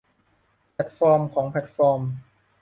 แพลตฟอร์มของแพลตฟอร์ม